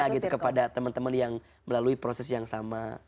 gitu kepada teman teman yang melalui proses yang sama